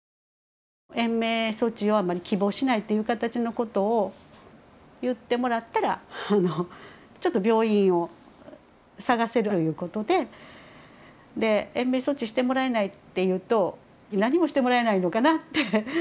延命措置は希望しないっていう形のことを言ってもらったらちょっと病院を探せるゆうことで延命措置してもらえないっていうと何もしてもらえないのかなって。